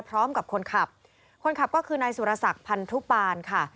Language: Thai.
พร้อมกับคนขับคนขับก็คือนายสุรศักดิ์พันธุปานค่ะ